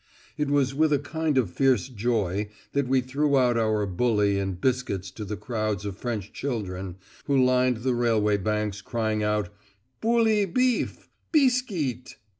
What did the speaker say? It was with a kind of fierce joy that we threw out our bully and biscuits to the crowds of French children who lined the railway banks crying out, "Bullee beef," "Biskeet."